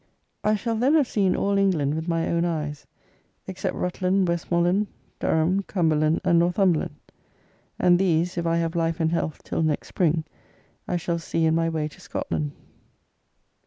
I shall then have seen all England with my own eyes, except Rutland, Westmoreland, Durham, Cumberland, and Northumberland; and these, if I have life and health till next spring, I shall see, in my way to Scotland.